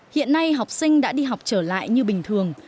hiện nay học sinh đã đi học trở lại như bình thường